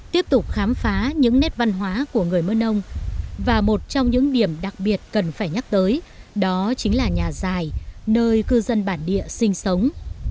tiếp tục khám phá những nét văn hóa của người mờn nông và một trong những điểm đặc biệt cần phải nhắc tới đó chính là nhà dài nơi cư dân bản địa sinh sống